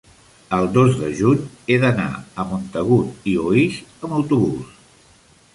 el dos de juny he d'anar a Montagut i Oix amb autobús.